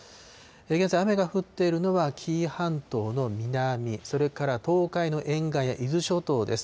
現在、雨が降っているのは紀伊半島の南、それから東海の沿岸や伊豆諸島です。